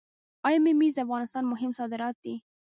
آیا ممیز د افغانستان مهم صادرات دي؟